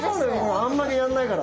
あんまりやんないから。